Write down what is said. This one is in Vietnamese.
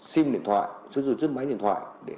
sim điện thoại sử dụng máy điện thoại